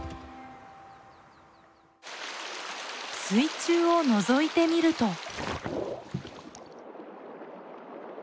水中をのぞいてみると。